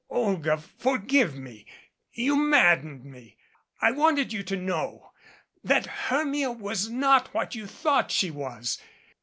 "Olga, forgive me. You maddened me. I wanted you to know that Hermia was not what you thought she was.